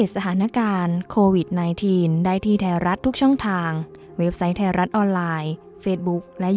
สวัสดีครับ